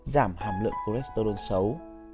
giảm hàm lượng cholesterol xấu